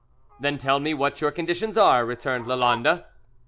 "Then tell me what your conditions are," returned Lalande.